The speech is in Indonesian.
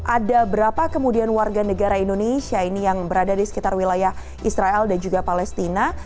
ada berapa kemudian warga negara indonesia ini yang berada di sekitar wilayah israel dan juga palestina